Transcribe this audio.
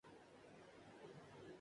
یہ عمل پہلی بار نہ ہو گا۔